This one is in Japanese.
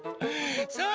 そう！